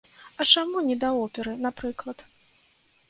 А чаму не да оперы, напрыклад?